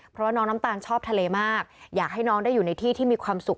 เพราะว่าน้องน้ำตาลชอบทะเลมากอยากให้น้องได้อยู่ในที่ที่มีความสุข